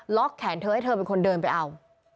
แขนเธอให้เธอเป็นคนเดินไปเอา